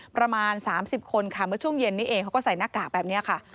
ประมาณ๓๐คนค่ะเมื่อช่วงเย็นนี้เองเขาก็ใส่หน้ากากแบบนี้ค่ะ